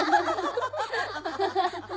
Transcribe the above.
ハハハハハ。